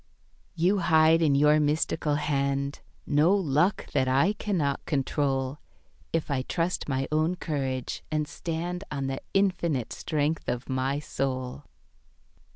You hide in your mystical hand No "luck" that I cannot control, If I trust my own courage and stand On the Infinite strength of my soul.